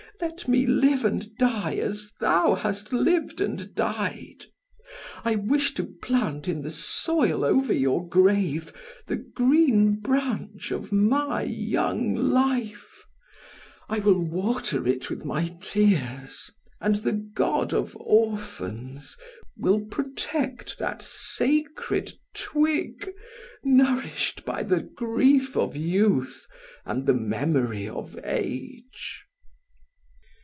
Let me live and die as thou hast lived and died. I wish to plant in the soil over your grave the green branch of my young life, I will water it with my tears, and the God of orphans will protect that sacred twig nourished by the grief of youth and the memory of age."